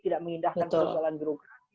tidak mengindahkan persoalan gerogasi